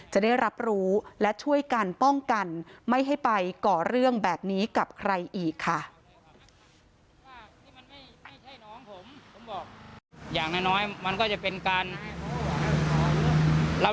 จะได้รับรู้และช่วยกันป้องกันไม่ให้ไปก่อเรื่องแบบนี้กับใครอีกค่ะ